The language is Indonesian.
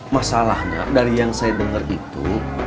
masalahnya dari yang saya dengar itu